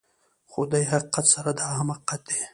خو دې حقیقت سره دا هم حقیقت دی